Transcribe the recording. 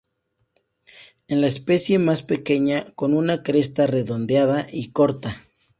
Es la especie más pequeña, con una cresta redondeada y corta.